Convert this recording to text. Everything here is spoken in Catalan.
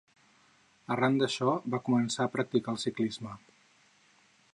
Arran d'això va començar a practicar el ciclisme.